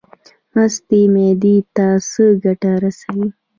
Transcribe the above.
مستې معدې ته څه ګټه رسوي؟